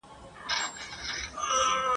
نور به نه کرئ غنم په کروندو کي ..